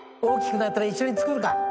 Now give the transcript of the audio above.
大きくなったら一緒に作るか。